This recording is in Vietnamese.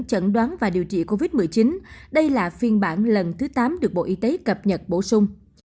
chẩn đoán và điều trị covid một mươi chín đây là phiên bản lần thứ tám được bộ y tế cập nhật bổ sung